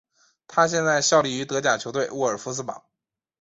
他现在效力于德甲球队沃尔夫斯堡。